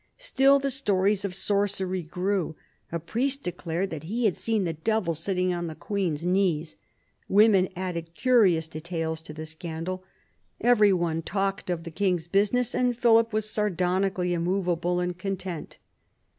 Still the stories of sorcery grew. A priest declared that he had seen the devil sitting on the queen's knees. Women added curious details to the scandal. Every one talked of the king's business, and Philip was sardonically immovable and content.